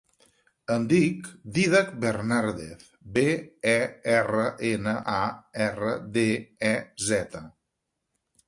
Em dic Dídac Bernardez: be, e, erra, ena, a, erra, de, e, zeta.